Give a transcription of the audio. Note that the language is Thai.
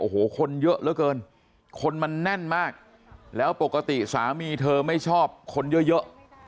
โอ้โหคนเยอะเหลือเกินคนมันแน่นมากแล้วปกติสามีเธอไม่ชอบคนเยอะ